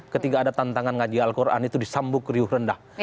ketika ada tantangan ngaji al quran itu disambuk riuh rendah